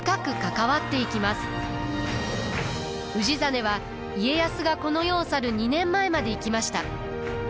氏真は家康がこの世を去る２年前まで生きました。